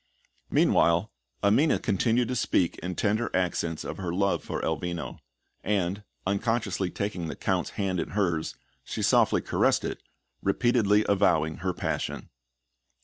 Meanwhile, Amina continued to speak in tender accents of her love for Elvino; and, unconsciously taking the Count's hand in hers, she softly caressed it, repeatedly avowing her passion.